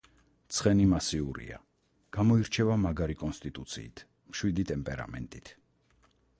ცხენი მასიურია, გამოირჩევა მაგარი კონსტიტუციით, მშვიდი ტემპერამენტით.